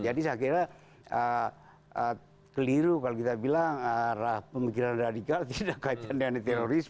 jadi saya kira keliru kalau kita bilang pemikiran radikal tidak kaitkan dengan terorisme